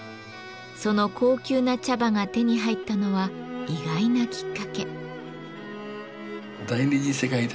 その高級な茶葉が手に入ったのは意外なきっかけ。